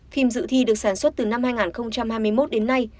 phim dự thi được sản xuất từ năm hai nghìn hai mươi một đến nay